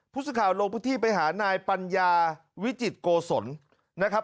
พุศข่าวโลกพฤทธิไปหานายปัญญาวิจิติโกศลนะครับ